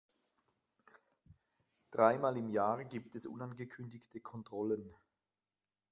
Dreimal im Jahr gibt es unangekündigte Kontrollen.